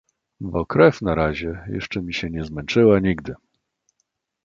Bo krew na razie jeszcze mi się nie zmęczyła nigdy.